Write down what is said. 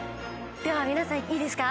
では皆さんいいですか。